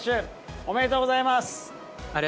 ありがとうございます。